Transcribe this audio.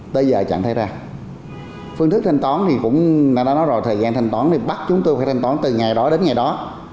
bây giờ chẳng thay ra phương thức thanh toán thì cũng đã nói rồi thời gian thanh toán thì bắt chúng tôi phải thanh toán từ ngày đó đến ngày đó